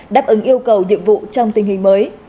đáp ứng yêu cầu nhiệm vụ trong tình hình mới